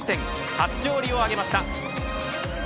初勝利を挙げました。